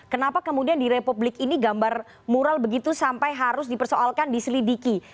kenapa kemudian di republik ini gambar mural begitu sampai harus dipersoalkan diselidiki